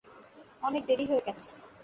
অনেক দেরী হয়ে গেছে।